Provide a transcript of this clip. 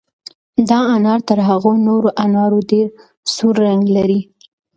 دا انار تر هغو نورو انارو ډېر سور رنګ لري.